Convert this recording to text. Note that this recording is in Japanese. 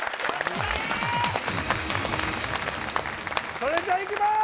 それじゃいきます！